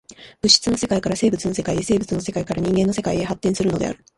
物質の世界から生物の世界へ、生物の世界から人間の世界へ発展するのである。